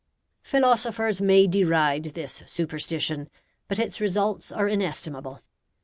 Philosophers may deride this superstition, but its results are inestimable.